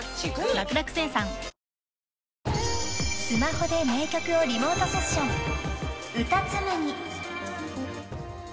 ［スマホで名曲をリモートセッション］